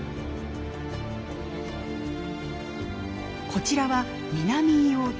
こちらは南硫黄島。